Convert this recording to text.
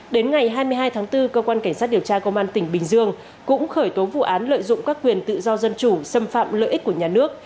đến ngày hai mươi hai tháng bốn cơ quan cảnh sát điều tra công an tỉnh bình dương cũng khởi tố vụ án lợi dụng các quyền tự do dân chủ xâm phạm lợi ích của nhà nước